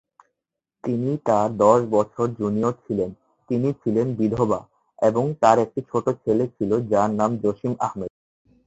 তিনি তার দশ বছর জুনিয়র ছিলেন, তিনি ছিলেন বিধবা, এবং তার একটি ছোট ছেলে ছিল যার নাম জসিম আহমেদ।